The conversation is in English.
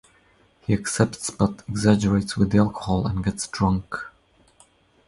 He accepts, but exaggerates with the alcohol and gets drunk.